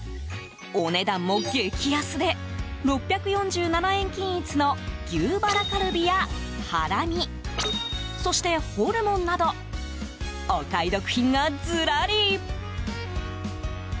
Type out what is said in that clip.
お値段も激安で６４７円均一の牛バラカルビやハラミそしてホルモンなどお買い得品がズラリ。